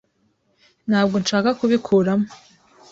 Ntabwo nshaka kubikuramo.